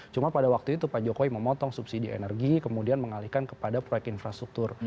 cuma pada waktu itu pak jokowi memotong subsidi energi kemudian mengalihkan kepada proyek infrastruktur